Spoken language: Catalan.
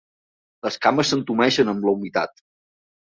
Les cames s'entumeixen amb la humitat.